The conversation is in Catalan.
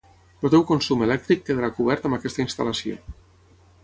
el teu consum elèctric quedarà cobert amb aquesta instal·lació